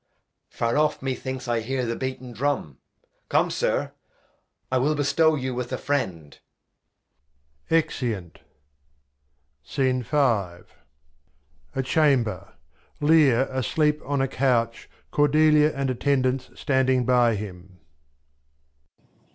Far off methinks I hear the beaten Drum, Come, Sir, I will bestow you with a Friend. {Exeunt. A Chamber. Lear a sleep on a Couch; Cordelia, [Physician] and Attendants standing by him.